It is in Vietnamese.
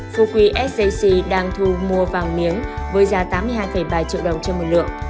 phu quy sac đang thu mua vàng miếng với giá tám mươi hai ba triệu đồng chiều mùa lượng